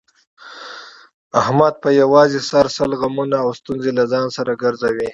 احمد په یووازې سر سل غمونه او ستونزې له ځان سره ګرځوي.